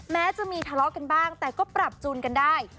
แม้จะมีทะเลาะกันบ้างแต่ก็ปรับจูนกันได้